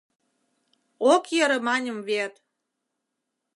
— Ок йӧрӧ маньым вет!